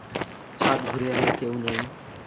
ছাদ ঘুরে এল, কেউ নেই।